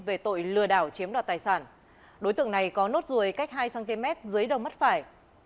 về tội lừa đảo chiếm đoạt tài sản đối tượng này có nốt ruồi cách hai cm dưới đầu mắt phải